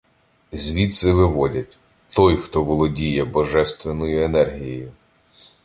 Звідси виводять: «той, хто володіє божественною енергією».